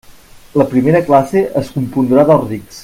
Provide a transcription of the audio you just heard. La primera classe es compondrà dels rics.